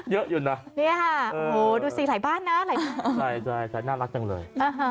เยอะอยู่น่ะโหดูสิหลายบ้านนะหลายน่ารักจังเลย